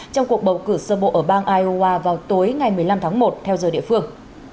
trong cuộc bầu cử sơ bộ ở bang iowa vào tối ngày một mươi năm tháng một theo giờ địa phương